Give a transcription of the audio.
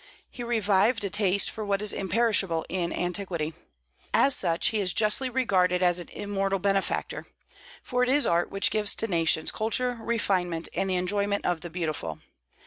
He revived a taste for what is imperishable in antiquity. As such he is justly regarded as an immortal benefactor; for it is art which gives to nations culture, refinement, and the enjoyment of the beautiful.